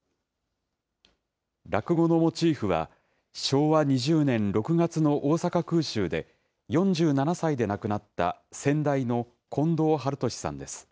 落語のモチーフは、昭和２０年６月の大阪空襲で、４７歳で亡くなった先代の近藤春敏さんです。